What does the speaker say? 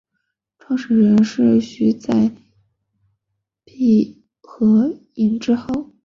创始人是徐载弼和尹致昊。